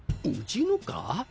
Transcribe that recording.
うちのか？